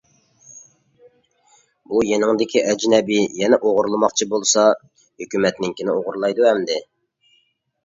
بۇ يېنىڭدىكى ئەجنەبىي يەنە ئوغرىلىماقچى بولسا ھۆكۈمەتنىڭكىنى ئوغرىلايدۇ ئەمدى.